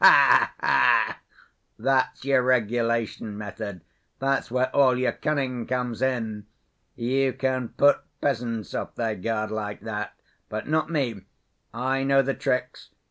Ha ha! That's your regulation method, that's where all your cunning comes in. You can put peasants off their guard like that, but not me. I know the tricks.